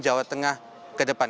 jawa tengah ke depan